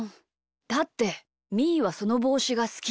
だってみーはそのぼうしがすき。